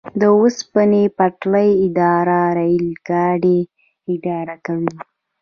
د اوسپنې پټلۍ اداره ریل ګاډي اداره کوي